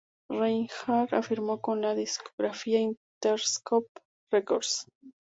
Reinhart firmó con la discográfica Interscope Records.